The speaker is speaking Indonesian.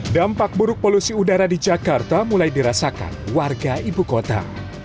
dampak buruk polusi udara di jakarta mulai dirasakan warga ibu kota